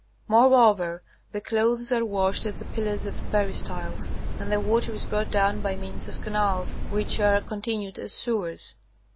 Moreover, the clothes are washed at the pillars of the peristyles, and the water is brought down by means of canals which are continued as sewers.